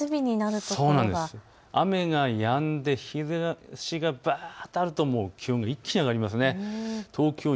雨がやんで日ざしがあると一気に上がります。